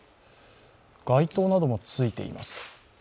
街灯などもついています。